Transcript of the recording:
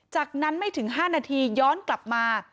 จากนั้นไม่ถึง๕นาทีย้อนกลับมา